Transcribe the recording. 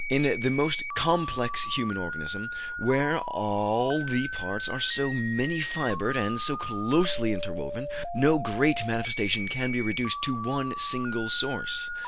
In the complex human organism, where all the parts are so many fibred and so closely interwoven, no great manifestation can be reduced to one single source.